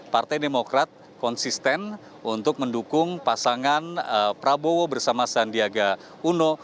partai demokrat konsisten untuk mendukung pasangan prabowo bersama sandiaga uno